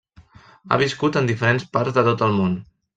Ha viscut en diferents parts de tot el món.